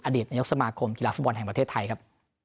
ดีตนายกสมาคมกีฬาฟุตบอลแห่งประเทศไทยครับ